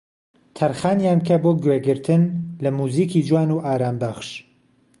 تەرخانیان بکە بۆ گوێگرتن لە موزیکی جوان و ئارامبەخش